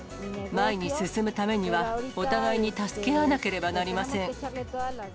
前に進むためには、お互いに助け合わなければなりません。